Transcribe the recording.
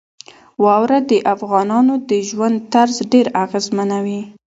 واوره د افغانانو د ژوند طرز ډېر اغېزمنوي.